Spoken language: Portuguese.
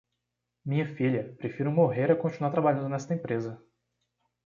Minha filha, prefiro morrer a continuar trabalhando nesta empresa